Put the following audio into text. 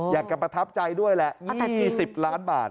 ประทับใจด้วยแหละ๒๐ล้านบาท